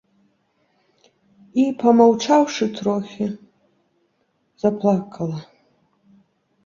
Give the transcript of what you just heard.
І, памаўчаўшы трохі, заплакала.